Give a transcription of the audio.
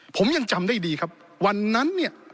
ผมยังจำได้ดีครับวันนั้นเนี่ย